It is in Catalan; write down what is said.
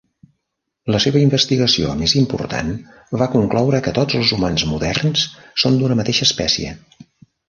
La seva investigació més important va concloure que tots els humans moderns són d'una mateixa espècie.